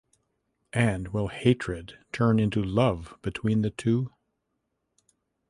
And will hatred turn into love between the two?